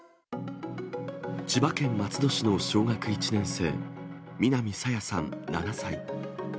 千葉県松戸市の小学１年生、南朝芽さん７歳。